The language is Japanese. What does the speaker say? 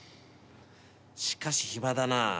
しかし暇だな。